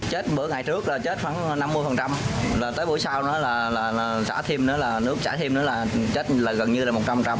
chết bữa ngày trước là chết khoảng năm mươi tới buổi sau nữa là chả thêm nữa là nước chả thêm nữa là chết gần như là năm mươi